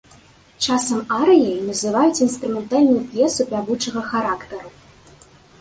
Часам арыяй называюць інструментальную п'есу пявучага характару.